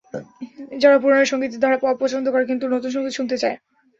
যারা পুরোনো সংগীতের ধারা অপছন্দ করে কিন্তু নতুন সংগীত শুনতে চায়।